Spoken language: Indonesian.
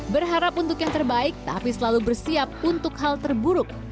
berharap untuk yang terbaik tapi selalu bersiap untuk hal terburuk